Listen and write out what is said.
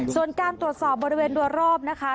ส่วนการตรวจสอบบริเวณโดยรอบนะคะ